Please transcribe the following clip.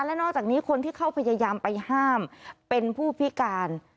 และนอกจากนี้คนที่เข้าพยายามไปห้ามเป็นผู้พิการ